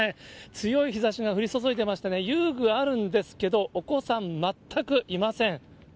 強い日ざしが降り注いでましてね、遊具あるんですけど、お子さん、全くいません。